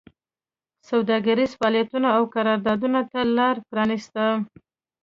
سوداګریزو فعالیتونو او قراردادونو ته لار پرانېسته